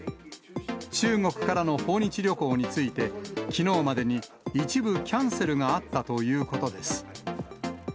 中国からの訪日旅行について、きのうまでに一部、キャンセルがあったということです。